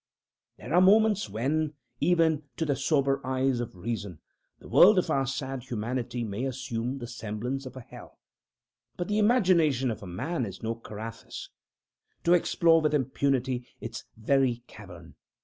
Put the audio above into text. There are moments when, even to the sober eye of Reason, the world of our sad Humanity may assume the semblance of a Hell but the imagination of man is no Carathis, to explore with impunity its every cavern.